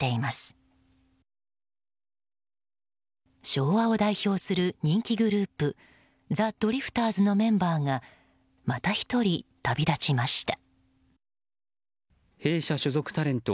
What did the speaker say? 昭和を代表する人気グループザ・ドリフターズのメンバーがまた１人、旅立ちました。